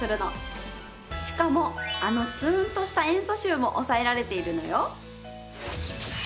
しかもあのツーンとした塩素臭も抑えられているのよ！